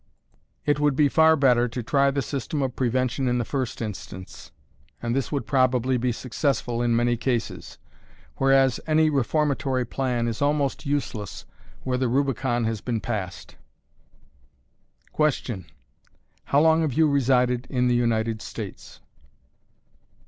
It would be far better to try the system of prevention in the first instance, and this would probably be successful in many cases; whereas any reformatory plan is almost useless where the Rubicon has been passed. Question. HOW LONG HAVE YOU RESIDED IN THE UNITED STATES?